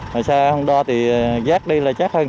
mà xe không đo thì giác đi là chết hơn